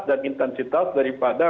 dan intensitas daripada